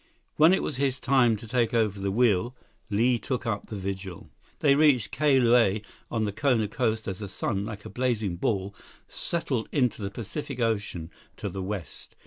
When it was his time to take over the wheel, Li took up the vigil. They reached Kailua on the Kona coast as the sun, like a blazing ball, settled into the Pacific Ocean to the west.